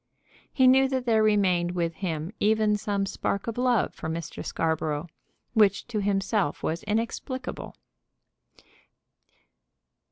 He knew that there remained with him even some spark of love for Mr. Scarborough, which to himself was inexplicable.